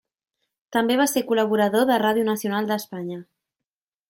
També va ser col·laborador de Ràdio Nacional d'Espanya.